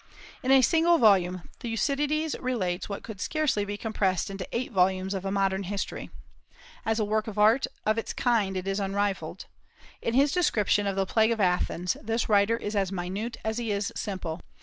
In a single volume Thucydides relates what could scarcely be compressed into eight volumes of a modern history. As a work of art, of its kind it is unrivalled. In his description of the plague of Athens this writer is as minute as he is simple.